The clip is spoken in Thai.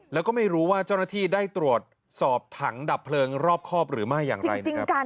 แล้วก็ไม่รู้ว่าเจ้าหน้าที่ได้ตรวจสอบถังดับเพลิงรอบครอบหรือไม่อย่างไรนะครับ